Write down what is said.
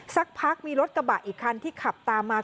สักพักมีรถกระบะอีกคันที่ขับตามมา